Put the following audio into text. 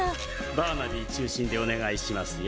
バーナビー中心でお願いしますよ。